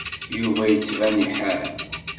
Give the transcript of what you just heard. Yuba yettban iḥar.